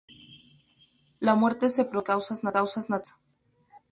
La muerte se produjo por "causas naturales".